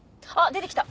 出てきた！